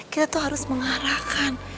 kita tuh harus mengarahkan